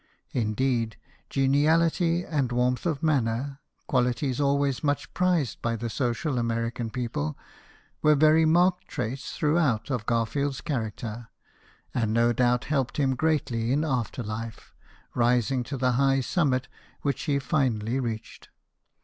Indeed, geniality and warmth of manner, qualities always much prized by the social American people, were very marked traits throughout of Garfield's character, and no doubt helped him greatly in after life in rising to the high summit which he finally reached.